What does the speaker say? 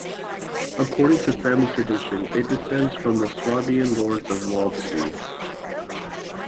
According to family tradition, it descends from the Swabian Lords of Waldsee.